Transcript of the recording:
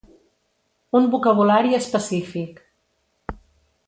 Un vocabulari específic.